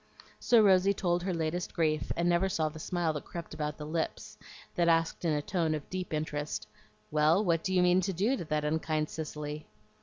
So Rosy told her latest grief, and never saw the smile that crept about the lips that asked in a tone of deep interest, "Well, what do you mean to do to that unkind Cicely?"